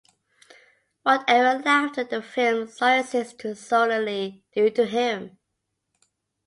Whatever laughter the film solicits is solely due to him.